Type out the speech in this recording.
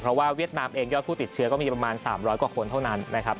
เพราะว่าเวียดนามเองยอดผู้ติดเชื้อก็มีประมาณ๓๐๐กว่าคนเท่านั้นนะครับ